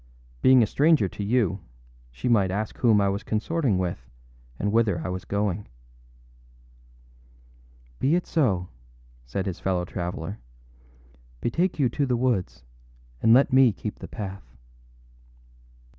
Being a stranger to you, she might ask whom I was consorting with and whither I was going.â âBe it so,â said his fellow traveller. âBetake you to the woods, and let me keep the path.